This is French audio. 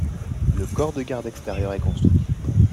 Le corps de garde extérieur est construit.